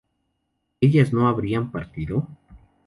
¿ellas no habrían partido?